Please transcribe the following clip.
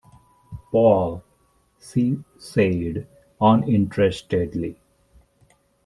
“Paul!” she said, uninterestedly.